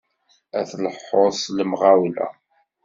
La tleḥḥuḍ s lemɣawla!